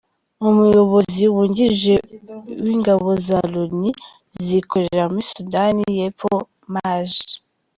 Umuyobozi wungirije w’ingabo za Loni zikorera muri Sudani y’Epfo, Maj.